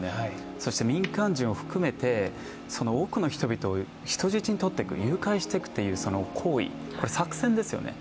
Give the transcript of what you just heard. そして民間人を含めて、その奥の人々を人質に取っていく、誘拐していくという行為作戦ですよね。